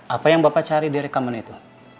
apa yang bapak cari di rekaman itu